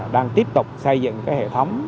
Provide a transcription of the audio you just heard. đang tiếp tục xây dựng cái hệ thống